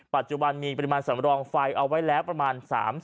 ปัจจุบันมีปริมาณสำรองไฟเอาไว้แล้วประมาณ๓๐